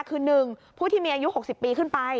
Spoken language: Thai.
คือ๑ผู้ที่มีอายุ๖๐ปีขึ้นไป